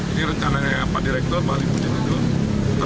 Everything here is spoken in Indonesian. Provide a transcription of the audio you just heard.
ini rencananya pak direktur pak limu jendral